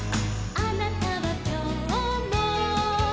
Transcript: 「あなたはきょうも」